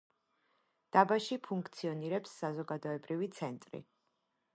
დაბაში ფუნქციონირებს საზოგადოებრივი ცენტრი.